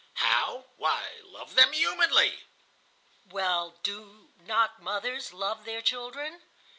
"How? Why, love them humanly." "Well, do not mothers love their children?"